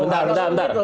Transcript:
bentar bentar bentar